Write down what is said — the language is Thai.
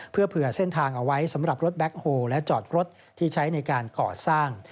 เพื่อเผื่อเส้นทางเอาไว้สำหรับรถแบ็คโฮลและจอดรถที่ใช้ในการก่อสร้าง